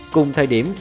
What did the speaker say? cùng thời điểm